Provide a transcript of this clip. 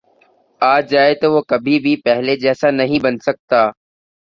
آ جائے تو وہ کبھی بھی پہلے جیسا نہیں بن سکتا